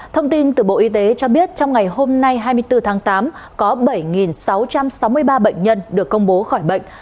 thông tin từ bộ y tế cho biết trong ngày hôm nay hai mươi bốn tháng tám có bảy sáu trăm sáu mươi ba bệnh nhân được công bố khỏi bệnh